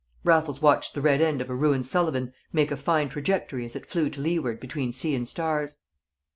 Raffles watched the red end of a ruined Sullivan make a fine trajectory as it flew to leeward between sea and stars.